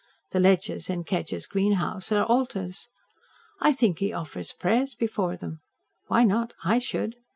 The ledges in Kedgers' green houses are altars. I think he offers prayers before them. Why not? I should.